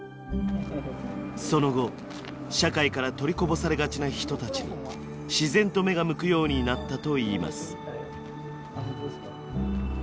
その後社会から取りこぼされがちな人たちに自然と目が向くようになったといいます。